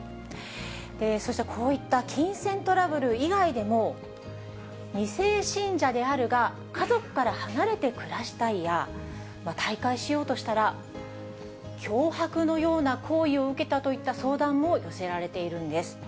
そしてこういった金銭トラブル以外でも、２世信者であるが、家族から離れて暮らしたいや、退会しようとしたら、脅迫のような行為を受けたといった相談も寄せられているんです。